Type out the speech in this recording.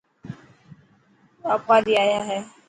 واپاري آيا هي.